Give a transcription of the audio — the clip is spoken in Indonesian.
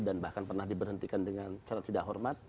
dan bahkan pernah diberhentikan dengan cara tidak hormat